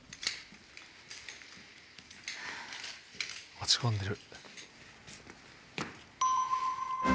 落ち込んでる。